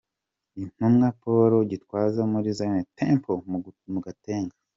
Intumwa Paul Gitwaza muri Zion Temple mu Gatenga.